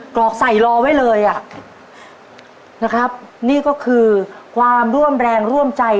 กรอกใส่รอไว้เลยอ่ะนะครับนี่ก็คือความร่วมแรงร่วมใจ